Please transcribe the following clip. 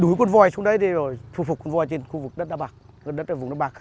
đuối con voi xuống đấy đi rồi thu phục con voi trên khu vực đất đá bạc vùng đá bạc